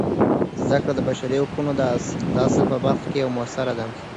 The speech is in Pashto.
زده کړه د بشري حقونو د اصل په برخه کې مؤثره ده.